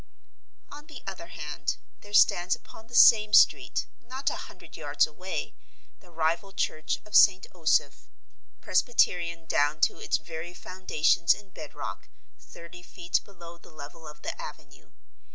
On the other hand, there stands upon the same street, not a hundred yards away, the rival church of St. Osoph presbyterian down to its very foundations in bed rock, thirty feet below the level of the avenue.